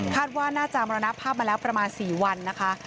ว่าน่าจะมรณภาพมาแล้วประมาณ๔วันนะคะ